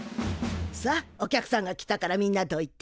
さあお客さんが来たからみんなどいて。